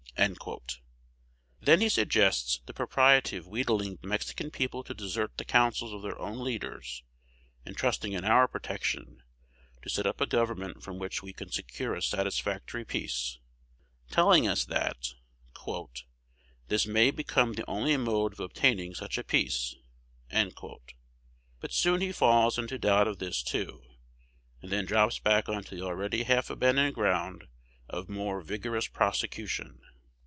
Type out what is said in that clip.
"_ Then he suggests the propriety of wheedling the Mexican people to desert the counsels of their own leaders, and, trusting in our protection, to set up a government from which we can secure a satisfactory peace, telling us that, "this may become the only mode of obtaining such a peace." But soon he falls into doubt of this, too, and then drops back on to the already half abandoned ground of "more vigorous prosecution."